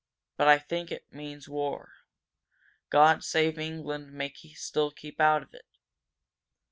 But I think it means war! God save England may still keep out of it!"